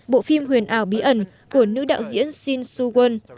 bộ phim huyền ảo bí ẩn của nữ đạo diễn shin su won